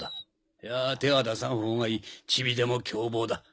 いや手は出さんほうがいいチビでも凶暴だ。